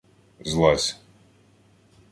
— Злазь.